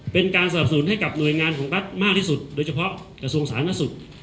เป็นการสรรสุนให้กับหน่วยงานของรัฐมากที่สุดโดยเฉพาะกระทรวงศาลนักศึกษ์